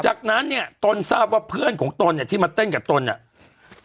จากนั้นเนี่ยตนทราบว่าเพื่อนของตนเนี่ยที่มาเต้นกับตนเนี่ย